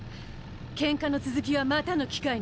ケンカの続きはまたの機会にしよう。